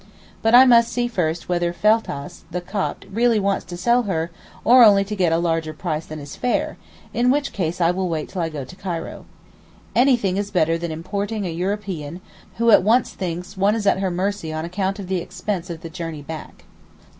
But I must see first whether Feltass (the Copt) really wants to sell her or only to get a larger price than is fair, in which case I will wait till I go to Cairo. Anything is better than importing a European who at once thinks one is at her mercy on account of the expense of the journey back.